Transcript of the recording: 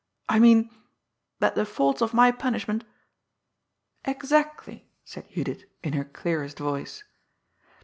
I mean that the faults of my punishment "^' Exactly," said Judith, in her clearest voice.